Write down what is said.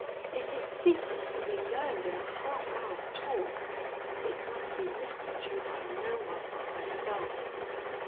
If his secret can be learned in a half hour's talk, it must be listened to by no one but myself.